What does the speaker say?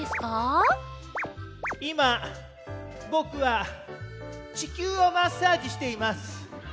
いまぼくはちきゅうをマッサージしています。